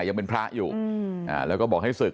ยังเป็นพระอยู่แล้วก็บอกให้ศึก